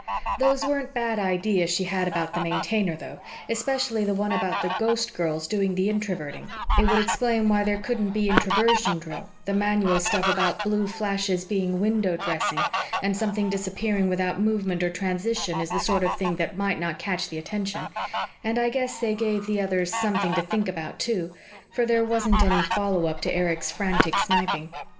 Those weren't bad ideas she had about the Maintainer, though, especially the one about the Ghostgirls doing the Introverting it would explain why there couldn't be Introversion drill, the manual stuff about blue flashes being window dressing, and something disappearing without movement or transition is the sort of thing that might not catch the attention and I guess they gave the others something to think about too, for there wasn't any follow up to Erich's frantic sniping.